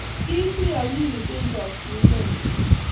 kiisu ya kiwisei eng' chokchinet neoo